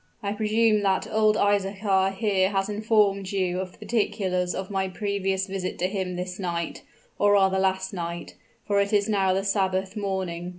"I presume that old Isaachar here has informed you of the particulars of my previous visit to him this night or rather last night, for it is now the Sabbath morning."